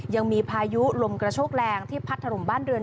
ยังมีพายุลมกระโชกแรงที่พัดถล่มบ้านเรือน